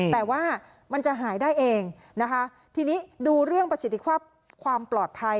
แต่ว่ามันจะหายได้เองนะคะทีนี้ดูเรื่องประสิทธิภาพความปลอดภัย